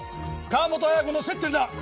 川本綾子の接点だ。